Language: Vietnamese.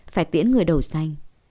phải tiễn người đầu xanh